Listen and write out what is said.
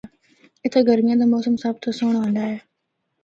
اِتھا گرمیاں دا موسم سب تو سہنڑا ہوندا اے۔